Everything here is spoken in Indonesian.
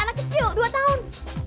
anak kecil dua tahun